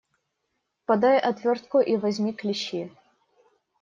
Подай отвертку и возьми клещи.